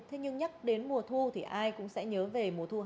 thế nhưng nhắc đến mùa thu thì ai cũng sẽ nhớ về mùa thu hà